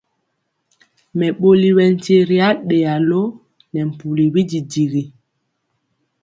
Mɛɓoli ɓɛ nkye ri aɗeya lo nɛ mpuli bididigi.